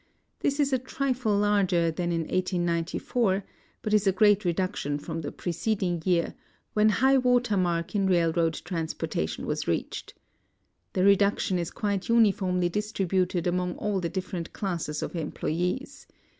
This is a tritle larger than in 1894, but is a great reduction from the preceding year, when high water mark in raihoad transportation was reachefl. The reduction is quite uniformly distributed among all the dif ferent clas.ses of employes.